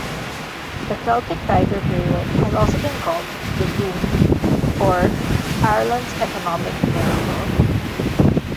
The Celtic Tiger period has also been called "The Boom" or "Ireland's Economic Miracle".